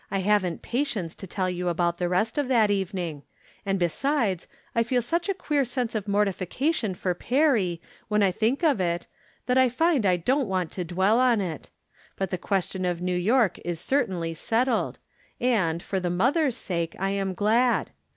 I haven't patience to tell you about the rest of that evening; and, besides, I feel such a queer sense of mortification for Perry, when I think of it, that I find I don't want to dwell on it. But the question of New York is certainly settled, and, for the mother's sake, I am glad.